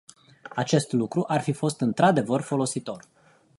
Acest lucru ar fi într-adevăr folositor.